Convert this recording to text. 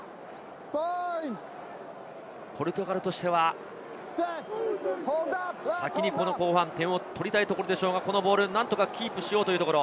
ポルトガルとしては先に後半、点を取りたいところでしょうが、このボールなんとかキープしようというところ。